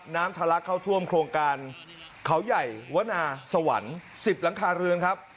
ทะลักเข้าท่วมโครงการเขาใหญ่วนาสวรรค์๑๐หลังคาเรือนครับ